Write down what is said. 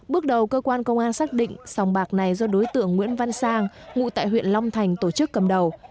bước đầu cơ quan công an xác định sòng bạc này do đối tượng nguyễn văn sang ngụ tại huyện long thành tổ chức cầm đầu